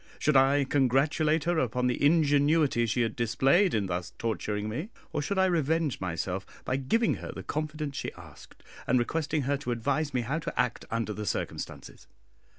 Should I congratulate her upon the ingenuity she had displayed in thus torturing me? or should I revenge myself by giving her the confidence she asked, and requesting her to advise me how to act under the circumstances?